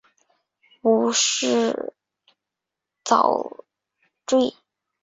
无饰蚤缀